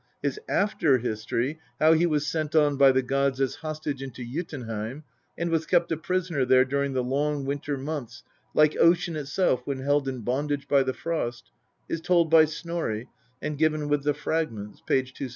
His after history, how he was sent on by the gods as hostage into Jotunheim, and was kept a prisoner there during the long winter months like ocean itself when held in bondage by the frost, is told by Snorri, and given with the Fragments (p. 271).